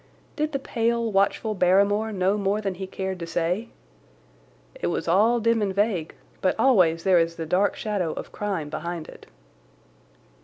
Did the pale, watchful Barrymore know more than he cared to say? It was all dim and vague, but always there is the dark shadow of crime behind it.